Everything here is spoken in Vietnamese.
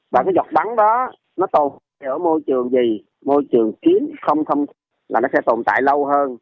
và cái giọt bắn đó nó tồn tại ở môi trường gì môi trường kín không không là nó sẽ tồn tại lâu hơn